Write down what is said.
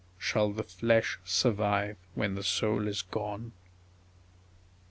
. Shall the flesh survive when the soul is gone?